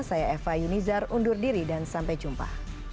saya eva yunizar undur diri dan sampai jumpa